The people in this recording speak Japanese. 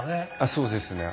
そうですね。